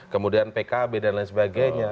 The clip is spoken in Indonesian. kemudian pkb dan lain sebagainya